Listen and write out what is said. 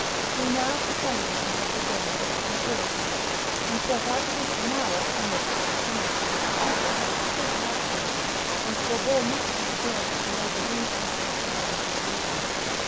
He now pretended to have regained his tranquillity, and set out for Samarah amidst the acclamations of a people who still loved him, and forbore not to rejoice when they believed him to have recovered his reason.